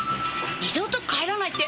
二度と帰らないって